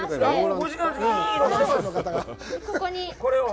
ここに。